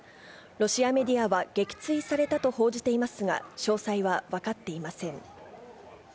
ロシアメディアは撃墜されたと報じていますが、詳細は分かっていません。